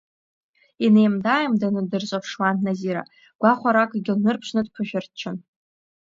Инеимда-ааимданы дырҿаԥшуан Назира, гәахәаракгьы лнырԥшны дԥышәырччон.